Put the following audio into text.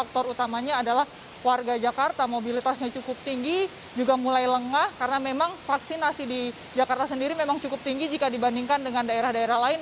faktor utamanya adalah warga jakarta mobilitasnya cukup tinggi juga mulai lengah karena memang vaksinasi di jakarta sendiri memang cukup tinggi jika dibandingkan dengan daerah daerah lain